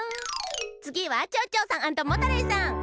つぎはちょうちょうさんアンドモタレイさん！